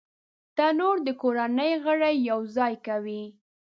تنور د کورنۍ غړي یو ځای کوي